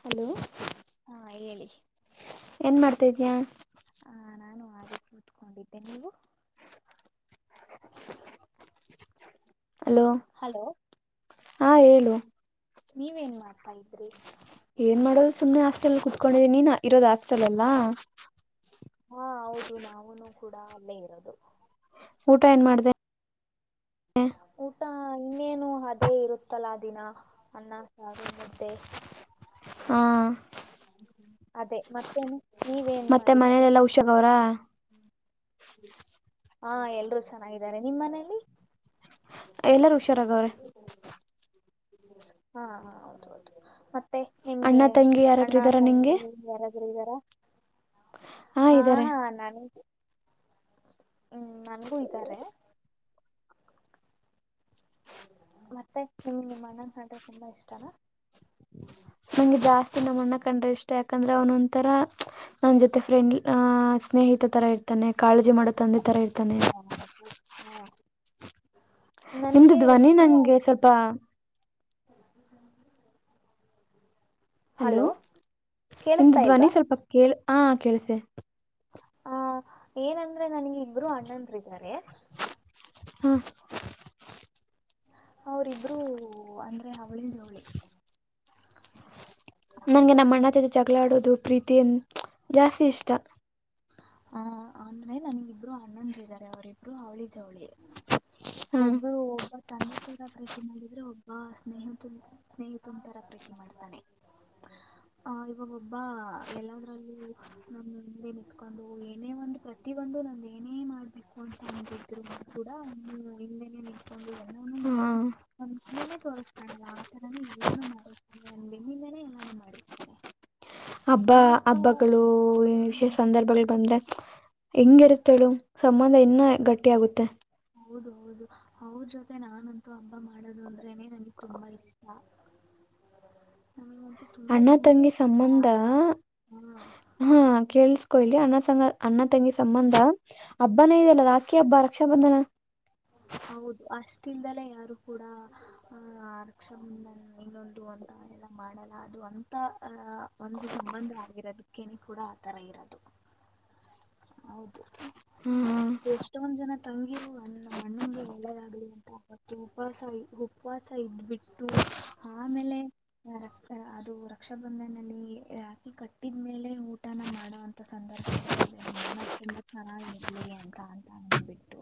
Hello, ಹಾ ಹೇಳಿ ಏನ್ ಮಾಡ್ತೀದಿಯಾ? ಹಾ, ನಾನು ಹಾಗೆ ಕೂತ್ಕೊಂಡಿದ್ದೆ ನೀವು ಹಲೋ, ಹಲೋ, ಹಾ, ಹೇಳು- ನೀವೇನ್ ಮಾಡ್ತಾ ಇದ್ರಿ ಏನ್ ಮಾಡೋದು ಸುಮ್ನೆ ಹಾಸ್ಟೆಲ್ ಕುತ್ಕೊಂಡಿದೀನಿ. ನೀನು ಇರೋದು ಹಾಸ್ಟೆಲ್ ನಲ್ಲಾ ಹಾ, ಹೌದು ನಾವುನು ಕೂಡ ಅಲ್ಲೇ ಇರೋದು. ಊಟ ಏನ್ ಮಾಡಿದೆ. ಊಟ ಇನ್ನೇನು ಅದೇ ಇರುತ್ತಲ್ಲಾ ದಿನಾ ಅನ್ನ, ಸಾರು, ಮುದ್ದೆ. ಹಾ, ಅದೇ ಮತ್ತೇನು ನೀವೇನ್ ಮತ್ತೆ ಮಾಡಿದ್ರಿ ಮನೇಲೆಲ್ಲಾ ಹುಷಾರ ಅವ್ರಾ ಹಾ, ಎಲ್ರೂ ಚೆನ್ನಾಗಿದ್ದಾರೆ. ನಿಮ್ಮ್ ಮನೇೆಯಲ್ಲಿ ಎಲ್ಲಾರು ಹುಷಾರಾಗವ್ರೆ ಹಾ, ಹಾ ಹೌದ ಹೌದು ಮತ್ತೆ ಮತ್ತೆ ಅಣ್ಣ ನಿಮ್ಗೆ ತಂಗಿ ಅಣ್ಣ, ಯಾರಾದ್ರು ಇದ್ದಾರ ನಿಂಗೆ ತಾಯಿ ಯಾರಾದ್ರೂ ಇದ್ದಾರ. ಹಾ ಹಾ ನಾನ [unintelligible] ಹ್ಮ್, ನನ್ಗೂ ಇದ್ದಾರೆ. ಮತ್ತೆ ನಿಮ್ ನಿಮ್ಮ ಅಣ್ಣನ್ ಕಂಡ್ರೆ ತುಂಬಾ ಇಷ್ಟನಾ... ನಂಗೆ ಜಾಸ್ತಿ ನಮ್ಮ ಅಣ್ಣ ಕಂಡ್ರೆ ಇಷ್ಟ ಯಾಕಂದ್ರೆ ಅವನೊ ಒಂತರ ನನ್ ಜೊತೆ ಫ್ರೆಂಡ್ ಅ ಸ್ನೇಹಿತ ತರ ಇರ್ತಾನೆ. ಕಾಳಜಿ ಮಾಡೋ ತಂದೆ ತರ ಇರ್ತಾನೆ. ಹ ಹ್ಮ [inaudible] ನಿಮ್ದು ಧ್ವನಿ ಇಬ್ರು ನಂಗೆ ಸ್ವಲ್ಪ. ಹಲೋ ನಿಮ್ದು ಕೇಳಿಸ್ತಾ ಧ್ವನಿ ಇಲ್ವಾ ಸ್ವಲ್ಪ ಕೇಳ ಹ ಕೇಳಸೆ. ಆ ಏನಂದ್ರೆ ನನಗೆ ಇಬ್ರು ಅಣ್ಣಂದ್ರಾರೆ. ಹ್ಮ. ಅವರಿಿಬ್ರುೂ ಅಂದ್ರೆ ಅವಳಿ ಜೋಳಿ. ನನಗೆ ಹಲೋ ನಮ್ಮ ಅಣ್ಣ ಜೊತೆ ಜಗಳಾಡೋದು ಪ್ರೀತಿ ಅ ಜಾಸ್ತಿ ಇಷ್ಟ. ಹ ಅಂದ್ರೆ ನನ್ಗಿಬ್ರು ಅಣ್ಣಂದ ಇದಾರೆ ಅವರಿಿಬ್ರು ಅವಳಿ ಜವಳಿ. ಹಾ ಒಬ್ರು ಒಬ್ಬರು. ತಂದ ತರ ಪ್ರೀತಿ ಮಾಡಿದ್ರೆ ಒಬ್ಬ ಸ್ನೇಹಿತ ಸ್ನೇಹಿತನ ತರ ಪ್ರೀತಿ ಮಾಡ್ತಾನೆ. ಆ ಇವಾಗ ಒಬ್ಬ ಎಲ್ಲದ್ರಲ್ಲೂ. ಕತ್ಕೊಂಡು ಏನೇ ಒಂದು್ ಪ್ರತಿ ಒಂದು ನಂದ ಏನೇ ಮಾಡ್ಬೇಕು ಅಂತ ಅಂದಿದ್ರು. ಕೂಡ ಹಿಂದೆನೆ ನಿಂತ್ಕೊಂಡು ಎಲ್ಲವವನ್ನು ಹಾ ಮಾಡಿ. ನಮ್ ಹಿಂದೆನನೆ ತೋರ್ಸ್್ಕಳಲ್ಲ ಆತರನ ಎಲ್ಲಾನು ಮಾಡಿರ್ತಾನೆ ನನ್ ಬೆನ್ನಿಂದನನೆ ಎಲ್ಲಾನು ಮಾಡಿರ್ತಾನೆ. ಹಬ್ಬ ಇನ್ನೊಬ್ಬ ಹಬ್ಬಗಳು ವಿಶೇಷ ಹ್ಮ್, ಸಂದರ್ಭಗಳು ಬಂದ್ರೆ. ಹೆಂಗಿರುತ್ತೇಳು ಸಂಬಂಧ ಇನ್ನ ಗಟ್ಟಿ ಆಗುತ್ತೆ. ಹೌದು ಹೌದು ಅವ್ರ ಜೊತೆ ನಾನಂತೂ ಹಬ್ಬ ಮಾಡೋದು ಅಂದ್ರೇನೆ ನನ್ಗ್ ತುಂಬಾ ಇಷ್ಟ. [inaudible] ಹಾ ಅದು ತುಂಬ ಅಣ್ಣ ತುಂಬ ತಂಗಿ ಇಷ್ಟ ಸಂಬಂಧ ಹಾ. ಹಾ ಕೇಳಸ್ಕೊ ಇಲಿ ಅಣ್ಣ ಸಂ ಅಣ್ಣ ತಂಗಿ ಸಂಬಂಧ ಹಬ್ಬನೇ ಇದೆಲ್ಲ ರಾತ್ರಿ. ಕೆ ಅಬ್ಬ ರಕ್ಷಾಬಂಧನ. ಹೌದು ಅಷ್ಟ ಇಲ್ದೆಲೇ ಯಾರು ಕೂಡ ಆ ಅರಕ್ಷ ಇನ್ನೊಂದು. ಎಲ್ಲ ಮಾಡಲ್ಲ ಅದು ಅಂದು. ಅಹ ಒಂದು ಸಂಬಂಧ ಆಗಿರೋದಕ್ಕನೆ ಕೂಡ ಆತರ ಇರೋದು. ಹೌದು್ಮ ಹ್ಮ್ ಎಷ್ಟೊಂದ್ ಜನ ತಂಗಿರುವ ಅಲ್ಲಮ್ಮ. ಅಣ್ಣಂಗೆ ಒಳ್ಳೆದಾಗ್ಲಿ ಅಂತ ಉಪವಾಸ ಉಪವಾಸ ಇದಬಿಟ್ಟು ಆಮೇಲೆ. ರಕ್ತ ಅದು ರಕ್ಷಾಬಂಧನಲ್ಲಿ ರಾಕಿ ಕಟ್ಟಿದ್ಮೇಲೆ. ಊಟನ ಮಾಡೋಂಥ ಸಂದರ್ಭಗಳು ಇವೆ ನಮ್ಮ ಅಣ್ಣ ತುಂಬ ಚೆನ್ನಾಗಿ ಇರಲಿರಿ ಅಂತ ಅಂದ್ಬಿಟ್ಟು.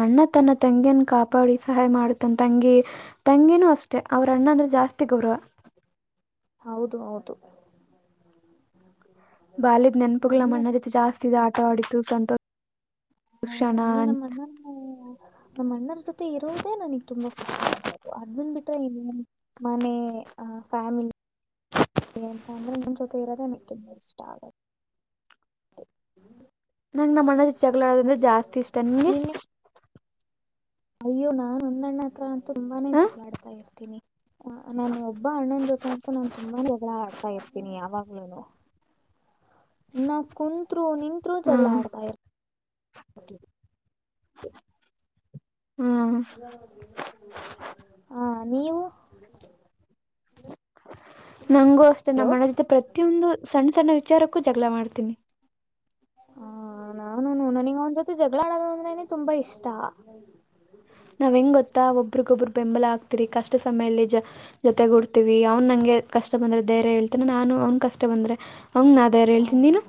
ಅಣ್ಣ ತನ್ನ ತಂಗಿಯನ್ ಕಾಪ. ಬಾಡಿ ಸಹಾಯ ಮಾಡುತ್ತಾನ ತಂಗಿ ತಂಗಿನೂ ಅಷ್ಟೇ ಅವ್ರ ಅಣ್ಣ ಅಂದ್ರೆ ಜಾಸ್ತಿ ಗೌರವ. ಹೌದು ಹೌದು. ಬಾಲಿದ್ ನೆನಪುಗ್ಗಳ ನನಗೆ ಮಣ್ಣ ಜೊತೆ ಜಾಸ್ತಿ ಇ ಆಟ ಆಡಿತು ಸಂತೋಷ. ಹೌದ ನೀ ಕ್ಷಣ ನಮ್ಮ ಅಣ್ಣ. [inaudible] ನಮ್ಮ ಅಣ್ಣರ ಜೊತೆ ಇರೋದೇ ನನಗ್ ತುಂಬಾ ಖುಷಿ ಅನ್ಸೋದು ಅದ್ ಬಂದ ಬಿಟ್ಟ್ರ ಇನ್ನೇನು. ಮನೆ ಆ ಫ್ಯಾಮಿಲಿ. ಏಂತಂದರೆ ಒನ್ನೊ್ಸೊತೆ ಇರೋದೆೇ ನಿಗೆ ಇಷ್ಟ ಆಗುತ್ತೆ. ಹ್ಮ್. [unintelligible] ನಂಗೆ ನಮ್ಮ ಅಣ್ಣದ ಚಗಳ ಆಡೋದ್ರೆ ಜಾಸ್ತಿ ಇಷ್ಟ ನಿಂಗೆ. ನಿನ್ನೆ ಅಯ್ಯೋ ನಾನ್ ಒಂದಣ್ಣ ಹತ್ರ ತುಂಬಾನೇ ಹಾಂ ಜಪ್ಲ ಆಡ್ತಾ ಇರ್ತೀನಿ. ನಾನು ಒಬ್ಬ ಅಣ್ಣನ ಜೊತೆ ಆಂತು ನಾನು ತುಂಬಾನ ಜಗಳ ಆಡ್ತಾ ಇರ್ತೀನಿ ಯಾವಾಗ್ಲೂನು. ಇನ್ನ ಕುಂತ್ರು ನಿತ್ರು ಜಗಳ ಹಾಂ ಆಡ್ತ ಇ. ಹ್ಞೂ ಹ ನೀವು. [inaudible] ನಂಗು ಅಷ್ಟೇ ಹಲೋ ನಮ್ಮ್ ಮನ ಜೊತೆ ಪ್ರತಿಯೊಂದು ಸಣ್ಣ ಸಣ್ಣ ವಿಚಾರಕ್ಕೂ ಜಗಳ ಮಾಡ್ತೀನಿ. ಹ ನಾನುನು ನನಗೆ ಅವನ ಜೊತೆ ಜಗಳ ಆಡೋದು ಅಂದ್ರೆನೆ ತುಂಬಾ ಇಷ್ಟ. ನಾವು ಹೆಂಗ ಗೊತ್ತಾ ಒಬ್ಬ್ರಗೊಬ್ಬರು ಬೆಂಬಲ ಆಗ್ತಿರಿ ಕಷ್ಟ ಸಮಯದಲ್ಲಿ. ಜೊತೆಗೂಡ್ತೀವಿ ಅವ್ನು ನಂಗೆ ಕಷ್ಟ ಬಂದ್ರೆ ಧೈರ್ಯ ಹೇಳ್ತನೇ ನಾನು ಅವ್ನು ಕಷ್ಟ ಬಂದ್ರೆ ಅವನ ನಾ ಧೈರ್ಯ ಹಾ. ಹೇಳ್ತೀನಿ ನೀನು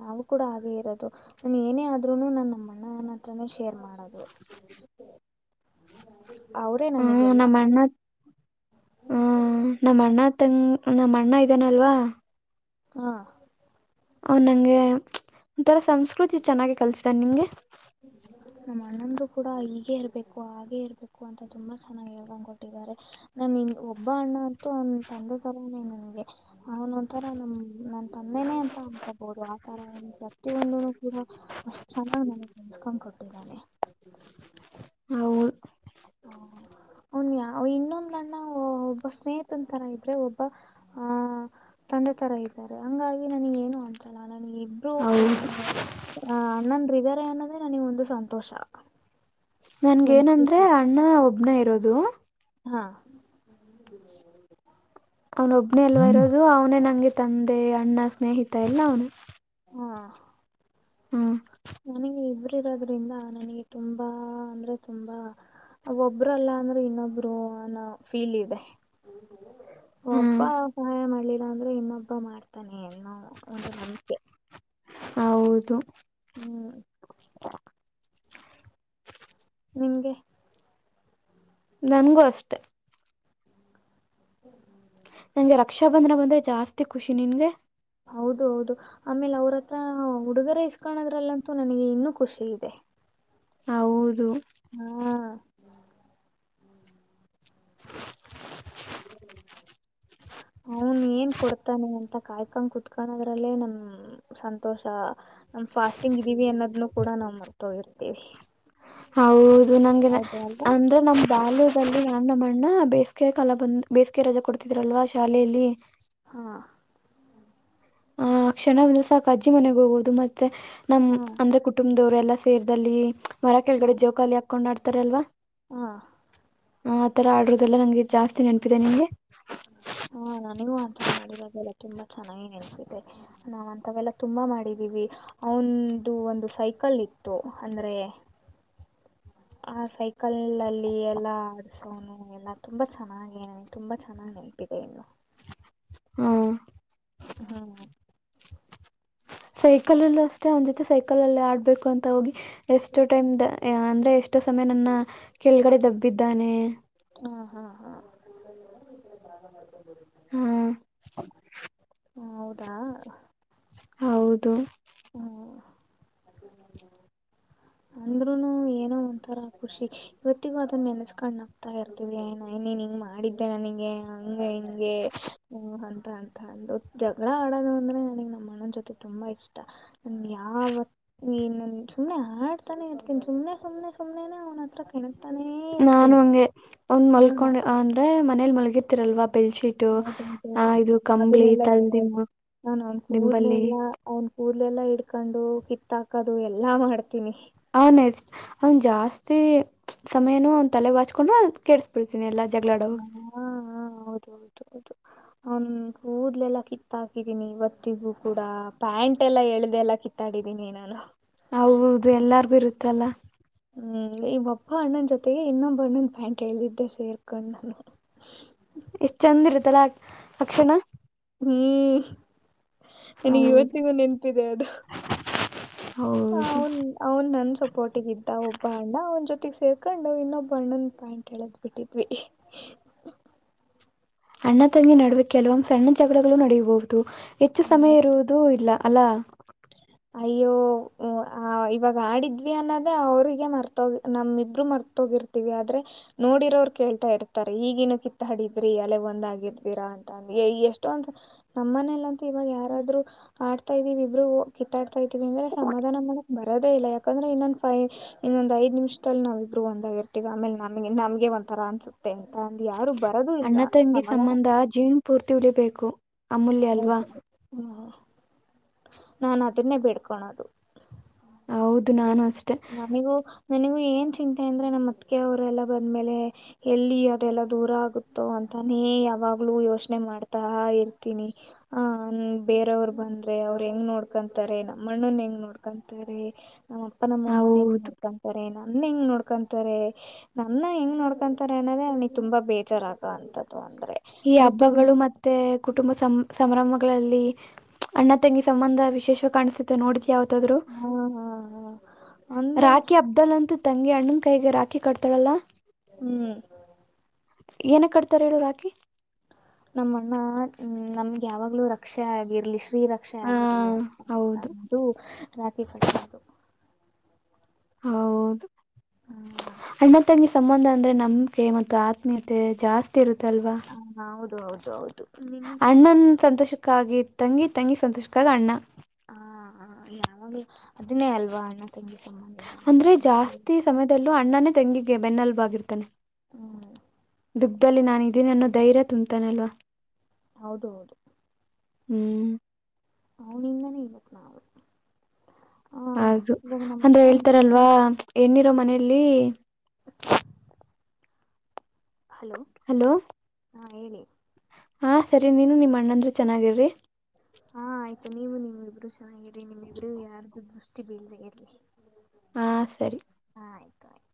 ನಾವು ಕೂಡ ಹಾಗೆ ಇರೋದು ನಾನ್ ಏನೇ ಆದ್ರುನು ನಾ ನಮ್ಮ ಅಣ್ಣನ್ನ ಹತ್ರಾನೇ ಶೇರ್ ಮಾಡ. ಮಾಡೋದು. ಅವರೇ ಹಾ ನನಗೆಲ್ಲ ನಮ್ಮ ಅಣ್ಣ. ಹ ನಮ್ಮ ಅಣ್ಣ ತಂಗ ನಮ್ಮ ಅಣ್ಣ ಇದಾನಲ್ವಾ. ಹಾ ಅವ ನಂಗೆ ಒಂಥರ ಸಂಸ್ಕತಿ ಚೆನ್ನಾಗಿ ಕಲ್ಸಿದಾನೇ ನಿಂಗೆ. ನಮ್ಮ ಅಣ್ಣಂದರು ಕೂಡ ಈಗೆ ಇರ್ಬೇಕು ಹಾಗೆ ಇರ್ಬೇಕು ಅಂತ ತುಂಬಾ ಚೆನ್ನಾಗ್ ಹೇಳ್ಕೊಂಡ್ ಕೊಟ್ಟಿದ್ದಾರೆ. ನಾನ ಒಬ್ಬ ಅಣ್ಣ ಅಂತು ಅವನ್ ತಂದೆ ತರಾನೇ ನನ್ಗೆ ಅವನ್ ಒಂಥರ ನಮ್ಮ ನನ್ ತಂದೆನೇ ಅಂತ ಅನ್ಕೋಬೋದು. ಪ್ರತಿಯೊಂದ ಕೂಡ ಅಷ್ಟ ಚೆನ್ನಾಗಿ ನನಗೆ ತಿಳಸ್ಕೊಂಡ್ ಕೊಟ್ಟಿದ್ದಾನೆ. ಹೌದು ಅವನು ಇನ್ನೊಂದ್ ಅನ್ನ ಒಬ್ಬ ಸ್ನೇಹಿತನ್ ತರ ಇದ್ರೆ ಒಬ್ಬ ಹ ತಂದೆ ತರ ಇದ್ದಾರೆ ಹಂಗಾಗಿ ನನೇಗ ಏನು ಅನ್ಸಲ್ಲ ನನಗೆ. ಹೌದು ಅಣ್ಣದಿರು ಇದ್ದರೆ ಅನ್ನೋದೇ ನನಗ ಒಂದು ಸಂತೋಷ. ನನ್ಗ ಒಂದ್ ಏನಂದ್ರೆ ಖುಷಿ ಅಣ್ಣ ಒಬ್ನ ಇರೋದು. ಹಾ ಅವ್ನ ಒಬ್ನೇ ಅಲ್ವ ಇರೋದು ಅವನೇ ನಂಗೆ ತಂದೆ ಅಣ್ಣ ಸ್ನೇಹಿತ ಎಲ್ಲ ಅವನೇ. ಹಾ ಹ್ಮ ನನಗೆ ಇಬ್ರು ಇರೋದ್ರಿಂದ ನನಗೆ ತುಂಬಾ ಅಂದ್ರೆ ತುಂಬಾ. ಒಬ್ರಲ್ಲ ಅಂದ್ರೆ ಇನ್ನೊಬ್ರು ಅನ್ನೋ ಫೀಲ್ ಇದೆ. ಹ್ಮ್ ಒಬ್ಬಾ ಸಹಾಯ ಮಾಡ್ಲಿ. ಮಾಡಿಲ್ಲ ಅಂದ್ರು ಇನ್ನೊಬ್ಬ ಮಾಡ್ತಾನೆ ಅನ್ನೋ ಒಂದು ನಂಬಿಕೆ ಹೌದು ಹ್ಮ್ ನಿಂಗೆ ನನಗೂ ಅಷ್ಟೆ. [inaudible] ನಂಗೆ ರಕ್ಷಾ ಬಂಧನ ಬಂದ್ರೆ ಜಾಸ್ತಿ ಖುಷಿ ನಿನ್ಗೆ. ಹೌದು ಹೌದು ಆಮೇಲೆ ಅವ್ರತ್ರ ಹುಡುಗರ ಇಸ್ಕಳದ್ರಲ್ಲಂತೂ ನನಗೆ ಇನ್ನೂ ಖುಷಿ ಇದೆ. ಹೌದು ಹ್ಮ [inaudible] ಅವನ್ ಏನ್ ಕೊಡ್ತಾನೆ ಅಂತ ಕಾಯ್ಕೊಂಡ್ ಕುೂತ್ಕದ್ರಲ್ಲೇ ನಮ್. ಸಂತೋಷ ನಮ ಫಾಸ್ಟಿಂಗ್ ಇದೀವಿ ಅನ್ನೋದ್ನ್ನು ಕೂಡ ಮರೆತು ಹೋಗಿರ್ತಿವಿ ಹೌದು ನಂಗೆ ಅಲ್ವಾ ಅಂದ್ರೆ ನಮ್ ಬಾಲ್ಯ. ದಲ್ಲಿ ನಮ್ಮಣ್ಣ ಬೇಸಿಗೆ ಕಾಲ ಬಂದ್ ಬೇಸಿಗೆ ರಜಾ ಕೊಡ್ತಿದ್ರಲ್ವ ಶಾಲೆಯಲ್ಲಿ. ಹಾ ಆ ಕ್ಷಣಂದ್ರೆ ಸಾಕ ಅಜ್ಜಿ ಮನೆಗೆ ಹೋಗೋುದು ಮತ್ತೆ ನಮ್ ಹಾ ಅಂದ್ರೆ ಕುಟುಂಬ. ದವ್ರಲ್ಲ ಸೇರಲ್ಲಿ ಮರ ಕೆಳಗಡೆ ಹಾ ಜೋಕಾಲಿ ಹಾಕೊಂಡ್ ಆಡ್ತಾರಲ್ವಾ. ಹಾ. ಆತರ ಆಡಿರೋದೆಲ್ಲಾ ನಂಗೆ ಜಾಸ್ತಿ ನೆನಪಿದೆ ನಿಂಗೆ. ಹಾ ನನಗೂ ಆಥರ ಆಡಿರದೆಲ್ಲ ತುಂಬಾ ಚೆನ್ನಾಗಿ ನೆನ್ಪಿದೆ. ನಾವಂತವೆಲ್ಲಾ ತುಂಬಾ ಮಾಡಿದೀವಿ. ಅವಂದು ಒಂದು ಸೈಕಲ್ ಇತ್ತು ಅಂದ್ರೆ ಆ ಸೈಕಲ್ ಅಲ್ಲಿ ಎಲ್ಲಾ ಆಸೋನು ಎಲ್ಲ ತುಂಬಾ ಚೆನ್ನಾಗಿ ತುಂಬಾ ಚೆನ್ನಾಗ್ ನೆನಪಿದೆ ಇನ್ನು ಹ್ಮ ಹ್ಹ ಸೈಕಲ್ಲ್ಲೂ ಅಷ್ಟೇ ಅವ್ ಜೊತೆ ಸೈಕಲ್ ಅಲ್ಲಿ ಆಡ್ಬೇಕು ಅಂತ ಹೋಗಿ ಎಷ್ಟು ಟೈಮ್ ದ ಅಂದ್ರೆ ಎಷ್ಟು ಸಮಯ ನನ್ನ ಕೆಳಗಡೆ ದಬ್ಬಿದ್ದಾನೆ ಹಾ ಹಾ ಹಾ ಹ್ಮ ಹ್ಮ್ ಹೌದಾ ಹೌದು ಹ್ಮ್ [inaudible] ಅಂದ್ರೂನು ಏನೋ ಒಂತರ ಖುಷಿ. ಇವತ್ತಿಗೂ ಅದನ್ನ ನೆನ್ಸ್ಕೊಂಡ್ ನಗ್ತಾ ಇರ್ತೀನೀ ಏ ನ ನೀನ್ ಹಿಂಗ ಮಾಡಿದ್ದೆ ನನಗೆ ಹಂಗ ಹಂಗೆ ಹಓ ಅಂತ ಅಂತ ಅಂದ ಜಗಳ ಆಡೋದು ಅಂದ್ರೆ ನನಗ್ ನಮ್ಮ ಅಣನ್ ಜೊತೆ ತುಂಬಾ ಇಷ್ ಇನ್ ಯಾವ ನೀನ್ ಸುಮನೆ ಆಡ್ತಾನೆ ಇರ್ತೀನಿ ಸುಮ್ನೆ ಸುಮ್ನೆ ಸುಮ್ನೆ ಅವನ ಹತ್ರ ಕೆನ್ ನಾನು ಅಂಗೆ ಒಂದ್ ಹ್ಮ ಮಲ್ಕೊಂಡ್ ಅಂದ್ರೆ ಮನೇಲಿ ಮಲ್ಗಿತಿರಲ್ವಾ ಬೆಲ್ಚಿ ಹೌದೌದದದು ಅದನ್ನೆಲ್ಲಾ ಹೇಳದು ತಲೆದಿಂಬು ನಾನ್ ಅವ್ನ್ ದಿಂಬಲ್ಲಿ ಕೂದ್ಲ್ಲೆಲ್ಲ ಅವನ್ ಕೂದಲೆಲ್ಲ ಹಿಡ್ಕೊಂಡು ಕಿತ್ತ ಹಾಕೋದು ಎಲ್ಲಾ ಮಾಡ್ತೀನಿ. ಆ ನೆಕ್ಸ್ಟ್ ಅವನ್ ಜಾಸ್ತಿ ಸಮಯನು ಅವ್ ತಲೆ ಬಾಚ್ಕೊಂಡ್ರೆ ಅದುನ್ ಕೆಡ್ ಇಡ್ತೀನಿ ಎಲ್ಲ ಜಗಳಾಡವು ಹಾ ಹಾ ಹೌದು ಹೌದು [inaudible] ಅವ್ನ್ ಕೂದಲೆಲ್ಲ ಕಿತ್ತ ಹಾಕಿದೀನಿ ಇವತ್ತಿಗೂ ಕೂಡ ಪ್ಯಾಂಟ್ ಎಲ್ಲಾ ಎಳ್ದಲ್ಲ ಕಿತ್ ಮಾತಾಡಿದೀನಿ ನಾನು ಹೌದು ಎಲ್ಲರ್ಗು ಇರುತ್ತಲ್ಲ. ಹ್ಮ ಈ ಒಬ್ಬ ಅಣ್ಣನ್ ಜೊತೆಗೆ ಇನ್ನೊಬ್ಬ ಅಣ್ಣುಂದ್ ಪ್ಯಾಂಟ್ ಹೇಳಿದ್ದೆ ಸೇರ್ಕೊಂಡ್ ನಾನು. ಎಷ್ಟ ಚಂದ ಇರುತ್ತಲ್ಲ ಅಕ್ಷಣ ಹ್ಮ್ ನನಗ್ ಹೌದು ಇವತ್ತಿಗೂ ನೆನ್ಪಿದೆ ಅದು. ಹೌದು ಅವ್ನ್ ನನ್ನ ಸಪೋರ್ಟಿಗ ಇದ್ದ ಒಬ್ಬ ಅಣ್ಣ ಅವನ ಜೊತೆಗೆ ಸೇರ್ಕೊಂಡು ಇನ್ನೊಬ್ಬ ಅಣ್ಣನ್ ಪ್ಯಾಂಟ್ ಹೇಳದ್ ಬಿಟ್ಟಿದ್ವಿ. [inaudible] ಅಣ್ಣ ತಂಗಿ ನಡುವೆ ಕೆಲವೊಂದ್ ಸಣ್ಣ ಜಗಳಗಳು ನಡೆಯಬಹುದು ಹೆಚ್ಚು ಸಮಯ ಇರುವುದು ಇಲ್ಲ ಅಲ [inaudible] ಅಯ್ಯೋ ಇವಾಗ ಆಡಿದ್ವಿ ಅನ್ನೋದೇ ಅವ್ರಿಗೆ ಮರ್ತೋಗಿ ನಮ್ಮಿಬ್ರು ಮರ್ತೋಗಿರ್ ಆದ್ರೆ ನೋಡಿರೋರು ಕೇಳ್ತಾ ಇರ್ತಾರೆ ಈಗಿನ್ನು ಕಿತ್ತ ಹಾಡಿದ್ರಿ ಅಲೆ ಒಂದ್ಗಿರ್ದೀರಾ ಅಂತ. ಎಷ್ಟೊಂದ ನಮ್ಮ ಮನೇಲ್ಲ್ ಅಂತ ಇವಾಗ ಯಾರಾದ್ರು ಆಡ್ತಾ ಇದೀವಿ ಇಬ್ರು ಕಿತ್ತಾಡ್ತಾ ಇದವಿ ಅಂದ್ರೆ ಸಮಾಧಾನ ಮಾಡೊಕ್ ಬರೋದೇ ಇಲ್ಲ ಯಾಕಂದ್ರೆ ಇನ್ನೊಂದು ಫೈ ಇನ್ನೊಂದ್ ಐದ್ ನಿಮಿಷದಲ್ಲಿ ನಾವ್ವಿಬ್ಬರು ಒಂದ್ ಆರ್ತಿವಿ ಆಮೇಲೆ ನಮಗೆ ನಮ್ಗೆ ಒಂಥರ ಅನ್ಸು ಮತ್ತೆ ಅಂತ ಅಂದ ಯಾರು ಬರದು ಇಲ್ಲ ಅಣ್ಣ ತಂಗಿ ಸಮಾಧಾನ [unintelligible] ಪೂರ್ತಿ ಉಳಿಬೇಕು. ಅಮೂಲ್ಯ ಅಲ್ವಾ ಹೌದ ಹ್ಮ ನಾನು ಅದುನ್ನೇ ಬೇಡಿಕೋಳೋದು. ಹೌದು ನಾನು ಅಷ್ಟೇ. ನನಿಗೂ ನನಿಗೂ ಏನ್ ಚಿಂತೆ ಅಂದ್ರೆ ನಮ್ಮ ಅತ್ತಿಗೆ ಅವರೆಲ್ಲ ಬಂದ್ಮೇಲೆ. ಎಲ್ಲಿ ಅದೆಲ್ಲ ದೂರ ಆಗುತ್ತೋ ಅಂತಾನೇ ಯಾವಾಗ್ಲೂ ಯೋಚನೆ ಮಾಡ್ತಾ ಇರ್ತೀನಿ. ಹ ಬೇರವರು ಬಂದ್ರೆ ಅವ್ರು ಹೆಂಗ್ ನೋಡ್ಕೊಂತಾರೆ ನಮ್ಮಣ್ಣನ್ ಹೆಂಗ್ ನೋಡ್ಕೊಂತಾರೆ. ನಮ್ಮಪ್ಪ ನಮ್ಮಮ್ಮನ ಹೆಂಗ್ ಹೌದು ನೋಡ್ಕೊಂತಾರೆ ನನ್ನ ಹೆಂಗ್ ನೋಡ್ಕೊತಾರೇ ನನ್ನ ಹೆಂಗ್ ನೋಡ್ಕೊಂತಾರೆ ಅನ್ನೋದೇ ಅವ್ನಿಗೆ ತುಂಬಾ ಬೇಜಾರಾಗ ಅಂತದ್ದು ಅಂದ್ರೆ. ಈ ನನಗ್ ಹಬ್ಬಗಳು ತುಂಬಾ ಮತ್ತೆ ಕುಟುಂಬ ಸಂ ಸಂಭ್ರಮಗಳಲ್ಲಿ ಅಣ್ಣ ತಂಗಿ ಸಂಬಂಧ ವಿಶೇಷವಾಗಿ ಕಾಣ್ಸತ್ತು ನೋಡಿದಿಯಾ ಯಾವತ್ತಾದರೂ. ಹಾ ಹಾ ಹಾ ರಾಖಿ ಹಬ್ದಲ್ ಅಂತೂ ತಂಗಿ ಅಣ್ಣನ್ ಕೈಗೆ ರಾಖಿ ಕಡ್ತಾಳಲ್ಲ ಹ್ಮ್ ಏನುಕ್ಕೆ ಕಟ್ತಾರೆ ಹೇಳು ರಾಕಿ. ನಮ್ಮ ಅಣ್ಣ ನಮ್ಗೆ ಯಾವಾಗ್ಲೂ ರಕ್ಷೆ ಆಗಿರ್ಲಿ. ಶ್ರೀರಕ್ಷೆ ಆ ಆಗಿರಲಿ ಅಂತ ಹೌದು ರಾಕಿ ಕಟ್ಟದು. ಹೌದು ಹ ಅಣ್ಣ ತಂಗಿ ಸಂಬಂಧ ಸಂಬಂಧ ಅಂದ್ರೆ ನಂಬಿಕೆ ಮತ್ತು ಆತ್ಮೀಯತೆ ಜಾಸ್ತಿ ಇರುತ್ತಲ್ವಾ. ಹ ಹೌದು ಹೌದು ಹೌದು. ನಿಮಗೆ ಅಣ್ಣನ್ ಸಂತೋಷಕ್ಕಾಗಿ ತಂಗಿ ತಂಗಿ ಸಂತೋಷಕ್ಕಾಗಿ ಅಣ್ಣ. ಹಾ ನ ಅದುನ್ನೆ ಅಲ್ವ. [unintelligible] ಅಂದ್ರೆ ಜಾಸ್ತಿ ಸಮಯದಲ್ಲೂ ಅಣ್ಣನೇ ತೆಂಗಿಗೆ ಬೆನ್ನಲುಬಾಗಿರ್ತಾನೆ. [unintelligible] ದುಃಖದಲ್ಲಿ ನಾನು ಇದಿನ ಅನ್ನೋ ಧೈರ್ಯ ತುಂಬ್ತಾನೇ. ಹೌದ ಹೌದು. ಹ್ಮ್ ಅವನಿಂದನೇ ಇವತ್ ನಾವು. ಅದು ಇವಾಗ ನಮ್ಮ ಅಂದ್ರೆ ಅಕ್ಕ ಹೇಳ್ತಾರಲ್ವಾ ನಮ್ಮ ಹೇಣ್ಣಿರೋ ಮನೆಯಲ್ಲಿ. [inaudible] ಹಲೋ ಹಾ ಹೇಳಿ ಹಾಂ ಸರಿ ನೀನು ನಿಮ್ಮ ಅಣ್ಣಂದ್ರೆ ಚೆನ್ನಾಗಿರೀ. ಹಾ ಆಯ್ತು ನೀವು ನೀವು ಇಬ್ರು ಚೆನ್ನಾಗಿರಿ ನಿಮ್ ಇಬ್ರಿಗೂ ಯಾರ್ದು ದೃಷ್ಟಿ ಬೀಲ್ದೆ ಇರ್ಲಿ. ಹಾ ಸರಿ. ಹಾ ಆಯ್ತು ಆಯ್ತು.